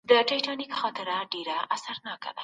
موسیقي د خلګو د خوښۍ وسیله وه.